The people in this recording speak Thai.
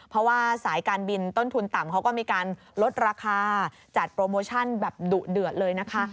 เพราะว่าสายการบินต้นทุนต่ำเขาก็มีการลดราคาจัดโปรโมชั่นแบบดุเดือดเลยนะคะ